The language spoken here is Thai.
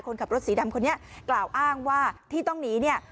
คนขับรถสีดำคนนี้กล่าวอ้างว่าที่ต้องหนีเนี่ย